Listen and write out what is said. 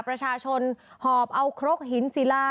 ประชาชนหอบเอาครกหินศิลา